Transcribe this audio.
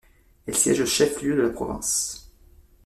Elle siège au chef-lieu de la province.